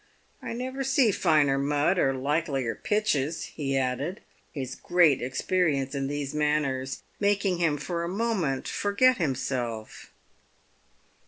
I never see finer mud or likelier pitches," he added, his great experience in these matters making him for a moment forget himself.